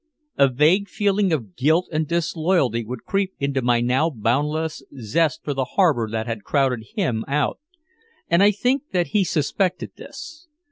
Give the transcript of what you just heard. A vague feeling of guilt and disloyalty would creep into my now boundless zest for the harbor that had crowded him out. And I think that he suspected this.